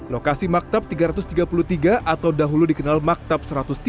lokasi maktab tiga ratus tiga puluh tiga atau dahulu dikenal maktab satu ratus tiga puluh